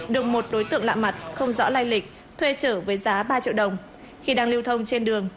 được một đối tượng lạ mặt không rõ lai lịch thuê trở với giá ba triệu đồng khi đang lưu thông trên đường